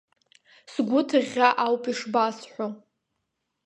Сгәы ҭыӷьӷьаа ауп ишбасҳәо!